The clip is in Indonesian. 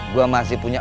gue masih punya